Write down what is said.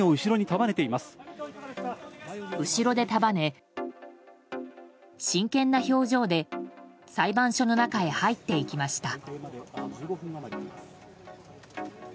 後ろで束ね、真剣な表情で裁判所の中へ入っていきました。